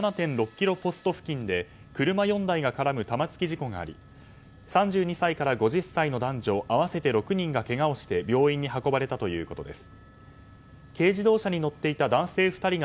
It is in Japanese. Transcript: ｋｍポスト付近で車４台が絡む玉突き事故があり３２歳から５０歳の男女合わせて６人がけがをして病院に運ばれたということです。